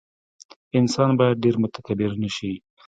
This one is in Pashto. انسان باید ډېر متکبر نه شي.